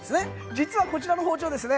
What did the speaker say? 実はこちらの包丁ですね